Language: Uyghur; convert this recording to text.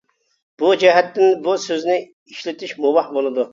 بۇ جەھەتتىن بۇ سۆزنى ئىشلىتىش مۇباھ بولىدۇ.